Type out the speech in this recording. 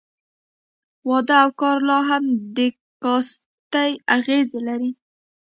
واده او کار لا هم د کاستي اغېز لري.